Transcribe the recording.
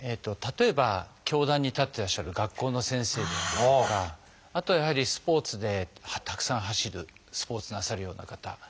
例えば教壇に立ってらっしゃる学校の先生だったりとかあとはやはりスポーツでたくさん走るスポーツなさるような方。